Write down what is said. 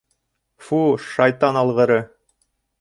— Фу-у, шайтан алғыры!